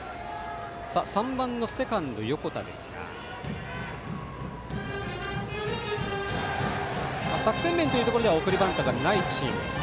３番のセカンド横田ですが作戦面というところでは送りバントはないチーム。